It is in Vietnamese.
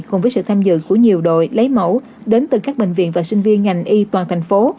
cùng với sự tham dự của nhiều đội lấy mẫu đến từ các bệnh viện và sinh viên ngành y toàn thành phố